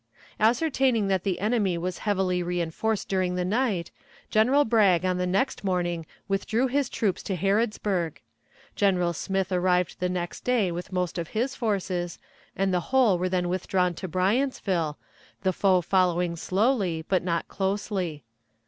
Ascertaining that the enemy was heavily reënforced during the night, General Bragg on the next morning withdrew his troops to Harrodsburg. General Smith arrived the next day with most of his forces, and the whole were then withdrawn to Bryantsville, the foe following slowly but not closely.